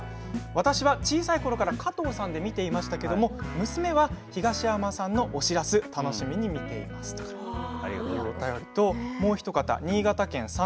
私は小さいころから加藤さんで見ていましたけれど娘は東山さんのお白洲楽しみに見ていますということです。